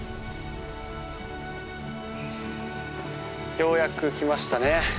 ようやく来ましたね。